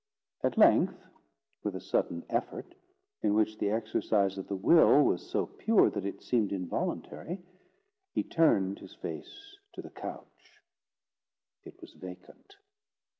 At length, with a sudden effort, in which the exercise of the will was so pure, that it seemed involuntary, he turned his face to the couch. It was vacant.